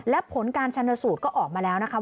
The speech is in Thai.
และผลการชนสูตรก็ออกมาแล้วนะคะ